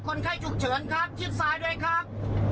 คนไข้ฉุกเฉินครับชิดซ้ายด้วยครับ